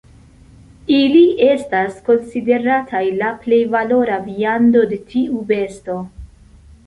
Ili estas konsiderataj la plej valora viando de tiu besto.